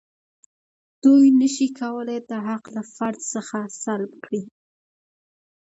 دوی نشي کولای دا حق له فرد څخه سلب کړي.